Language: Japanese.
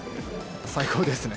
最高ですね。